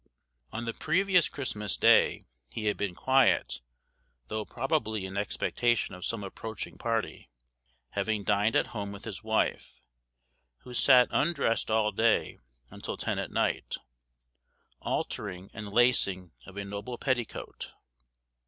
On the previous Christmas Day he had been quiet, though probably in expectation of some approaching party, having dined at home with his wife, who sat undressed all day until ten at night, altering and lacing of a "noble petticoat."